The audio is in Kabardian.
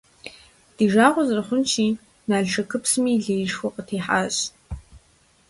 Ди жагъуэ зэрыхъунщи, Налшыкыпсми леишхуэ къытехьащ.